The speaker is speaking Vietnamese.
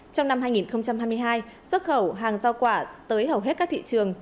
trong năm hai nghìn hai mươi hai xuất khẩu hàng giao quả tới hầu hết các thị trường